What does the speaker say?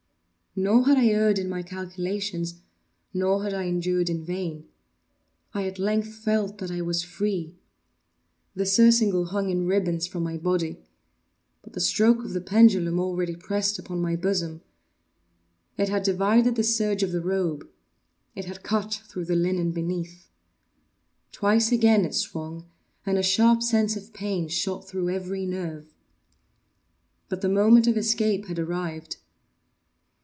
Nor had I erred in my calculations—nor had I endured in vain. I at length felt that I was free. The surcingle hung in ribands from my body. But the stroke of the pendulum already pressed upon my bosom. It had divided the serge of the robe. It had cut through the linen beneath. Twice again it swung, and a sharp sense of pain shot through every nerve. But the moment of escape had arrived.